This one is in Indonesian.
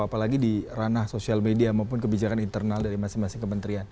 apalagi di ranah sosial media maupun kebijakan internal dari masing masing kementerian